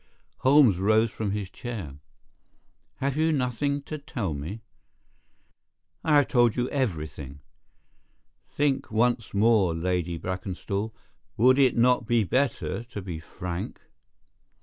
Holmes rose from his chair. "Have you nothing to tell me?" "I have told you everything." "Think once more, Lady Brackenstall. Would it not be better to be frank?"